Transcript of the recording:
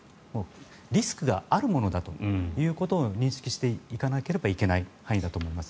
リスクがあるものだということを認識していかなければいけない範囲だと思います。